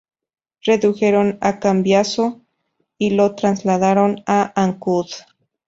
Redujeron a Cambiaso y lo trasladaron a Ancud.